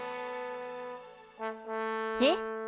えっ？